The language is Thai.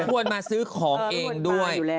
ควรมาซื้อของเองด้วย